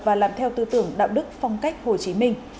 và làm theo tư tưởng đạo đức phong cách hồ chí minh